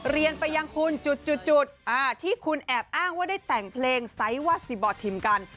เรียนไปยังคุณจุดที่คุณแอบอ้างว่าได้แต่งเพลงไซส์วาซีบอร์ทิมกัน